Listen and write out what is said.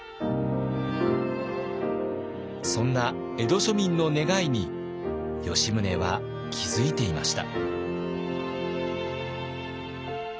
そんな江戸庶民の願いに吉宗は気付いていました。